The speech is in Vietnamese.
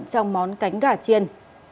trong món cánh gà chiên